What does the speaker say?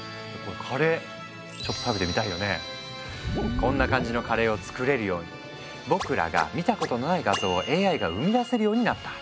こんな感じのカレーを作れるように僕らが見たことのない画像をＡＩが生み出せるようになった。